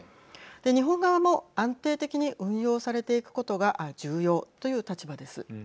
日本側も安定的に運用されていくことが重要という立場です。